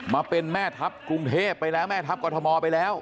มาเป็นแม่ทัพกรุงเทพไปแล้วแม่ทัพกรทมไปแล้ว